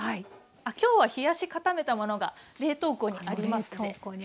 あっ今日は冷やし固めたものが冷凍庫にありますので。